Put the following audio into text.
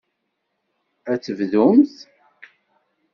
Ad tebdumt.